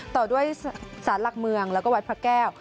ต่อด้วยสารหลักเมืองแล้วก็วัดพระแก้ว